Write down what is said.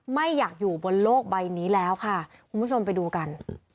ไม่อยากอยู่บนโลกใบนี้แล้วค่ะคุณผู้ชมไปดูกัน